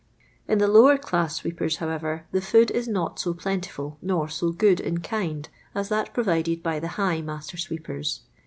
In the lower class sweepers, however, the food is not so plentiful nor so good in kind as that pro vided by the high master sweepers.